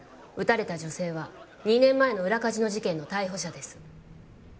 撃たれた女性は２年前の裏カジノ事件の逮捕者です